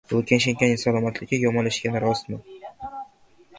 Lukashenkoning salomatligi yomonlashgani rostmi?